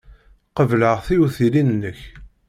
Qebleɣ tiwtilin-nnek.